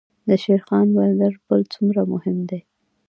د شیرخان بندر پل څومره مهم دی؟